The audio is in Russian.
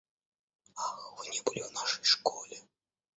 Ах, вы не были в нашей школе?